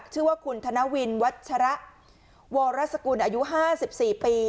ชื่อว่าคุณธนาวินวัตเฉาระโวรสกุลอายุห้าสิบสี่ปี